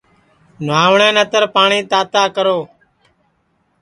نہواٹؔے نتر پاٹؔی تاتا کرو